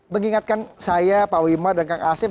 mengingatkan saya pak wima dan kak asep